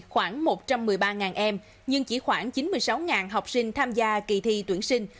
khoảng một trăm một mươi ba em nhưng chỉ khoảng chín mươi sáu học sinh tham gia kỳ thi tuyển sinh